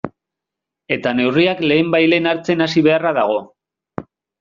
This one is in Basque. Eta neurriak lehenbailehen hartzen hasi beharra dago.